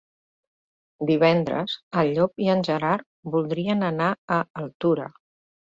Divendres en Llop i en Gerard voldrien anar a Altura.